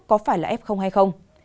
có phải là f hay không